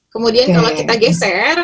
kemudian kalau kita geser